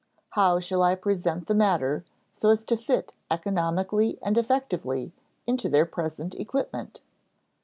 How shall I present the matter so as to fit economically and effectively into their present equipment?